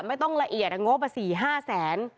ไม่ต้องละเอียดอังโกะภาษีห้าแสน